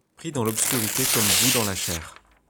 Pris dans l’obscurité comme vous dans la chair.